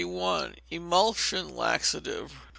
Emulsion, Laxative.